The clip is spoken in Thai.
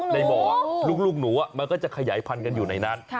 ในบ่อลูกหนูมันก็จะขยายพันธุกันอยู่ในนั้น